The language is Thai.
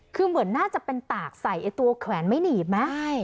คือเหมือนน่าจะเป็นตากใส่ไอ้ตัวแขวนไม่หนีบไหม